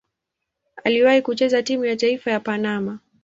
Aliwahi kucheza timu ya taifa ya Panama.